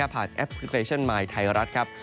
แอปพลิเคชันมายไทยรัฐครับ